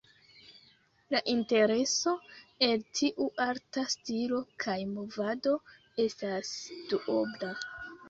La intereso el tiu arta stilo kaj movado estas duobla.